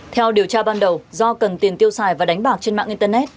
theo điều tra ban đầu do cần tiền tiêu xài và đánh bạc trên mạng internet